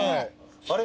あれ？